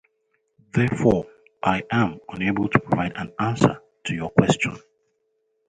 Therefore, I am unable to provide an answer to your question.